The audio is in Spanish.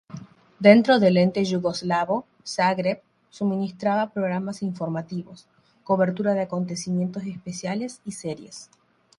Dentro del ente yugoslavo, Zagreb suministraba programas informativos, cobertura de acontecimientos especiales y series.